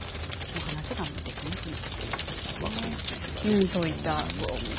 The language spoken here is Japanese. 話ができなくなっているというね。